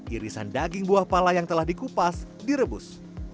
irisan daging buah pala yang telah dikupas direbus